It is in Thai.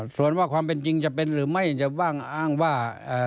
ส่วนว่าความเป็นจริงจะเป็นหรือไม่จะว่างอ้างว่า